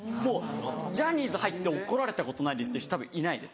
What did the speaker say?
ジャニーズ入って怒られたことないですっていう人たぶんいないです。